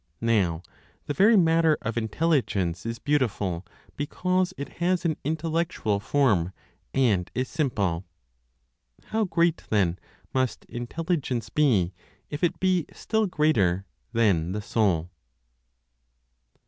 Now the very matter of Intelligence is beautiful, because it has an intellectual form, and is simple. How great then, must Intelligence be, if it be still greater than the Soul.